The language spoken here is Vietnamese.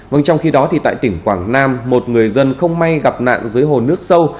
vâng trong khi đó thì tại tỉnh quảng nam một người dân không may gặp nạn dưới hồ nước sâu